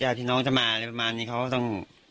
ที่น้องจะมาอะไรประมาณนี้เขาก็ต้อง